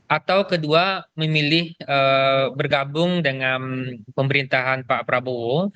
atau kedua memilih bergabung dengan pemerintahan pak prabowo